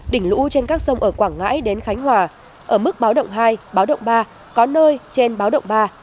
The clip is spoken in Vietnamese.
đỉnh lũ trên các sông ở quảng ngãi đến khánh hòa ở mức báo động hai báo động ba có nơi trên báo động ba